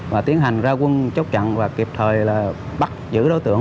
và tiến hành ra quân chốc trận và kịp thời bắt giữ đối tượng